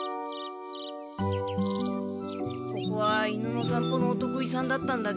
ここは犬のさんぽのおとくいさんだったんだけど。